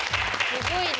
すごいね。